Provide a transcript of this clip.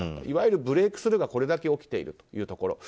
いわゆるブレークスルーがこれだけ起きていると。